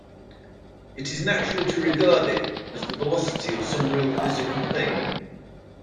It is natural to regard it as the velocity of some real physical thing.